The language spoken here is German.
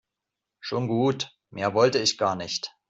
Schon gut, mehr wollte ich gar nicht.